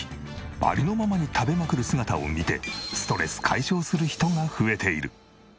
ありのままに食べまくる姿を見てストレス解消する人が増えている。